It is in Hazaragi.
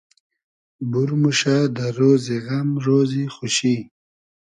بور موشۂ دۂ رۉزی غئم رۉزی خوشی